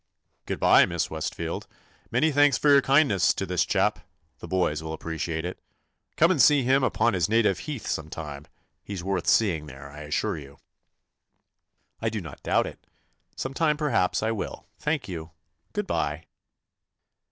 "Good bye, Miss Westfield. Many thanks for your kindness to this chap. The boys will appreciate it. Come and see him upon his native heath some time. He 's worth seeing there, I assure you." "I do not doubt it. Some time per haps I will, thank you. Good bye."